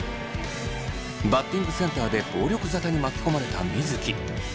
バッティングセンターで暴力沙汰に巻き込まれた水城。